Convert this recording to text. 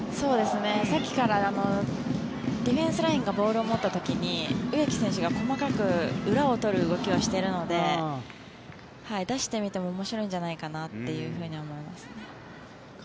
さっきからディフェンスラインがボールを持った時に植木選手が細かく裏を取る動きはしているので出してみても面白いんじゃないかなと思います。